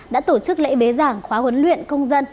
đã tổ chức lễ bế giảng khóa huấn luyện công dân